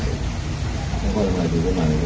แต่นี่อะไรละ